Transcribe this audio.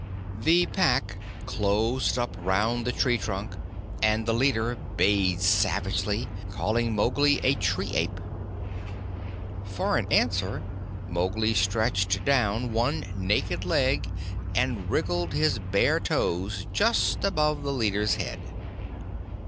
The Pack closed up round the tree trunk and the leader bayed savagely, calling Mowgli a tree ape. For all answer Mowgli stretched down one naked leg and wriggled his bare toes just above the leader's head.